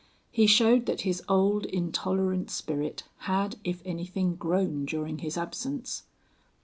He showed that his old, intolerant spirit had, if anything, grown during his absence.